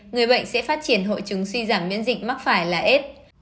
người bệnh sẽ phát triển hội chứng suy giảm biễn dịch mắc phải là aids